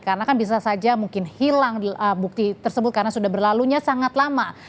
karena kan bisa saja mungkin hilang bukti tersebut karena sudah berlalunya sangat lama